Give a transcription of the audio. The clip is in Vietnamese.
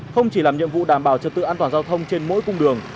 không chỉ làm nhiệm vụ đảm bảo trật tự an toàn giao thông trên mỗi cung đường